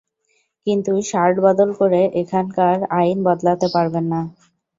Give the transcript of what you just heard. কিন্তু শার্ট বদল করে এখানকার আইন বদলাতে পারবেন না।